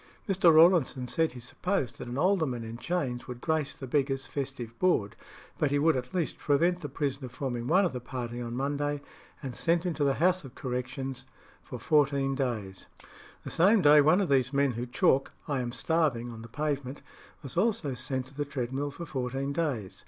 Mr. Rawlinson said he supposed that an alderman in chains would grace the beggars' festive board, but he would at least prevent the prisoner forming one of the party on Monday, and sent him to the House of Correction for fourteen days. The same day one of those men who chalk "I am starving" on the pavement was also sent to the treadmill for fourteen days.